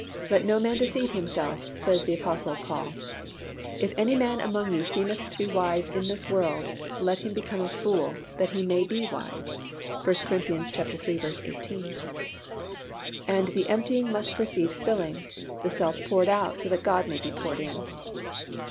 "Let no man deceive himself," says the Apostle Paul. "If any man among you seemeth to be wise in this world, let him become a fool, that he may be wise" (1 Cor. iii. 18). And the emptying must precede filling, the self poured out that God may be poured in.